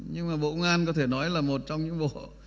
nhưng mà bộ công an có thể nói là một trong những vụ